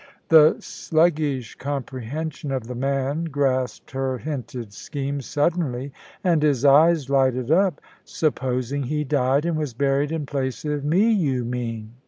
The sluggish comprehension of the man grasped her hinted scheme suddenly, and his eyes lighted up. "Supposing he died and was buried in place of me, you mean?"